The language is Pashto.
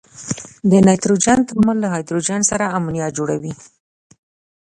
د نایتروجن تعامل له هایدروجن سره امونیا جوړوي.